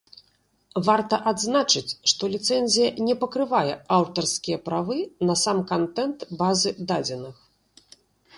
Варта адзначыць што ліцэнзія не пакрывае аўтарскія правы на сам кантэнт базы дадзеных.